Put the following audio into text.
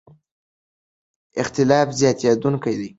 اختلاف زیاتېدونکی دی.